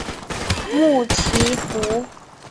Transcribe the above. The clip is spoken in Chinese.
穆奇福。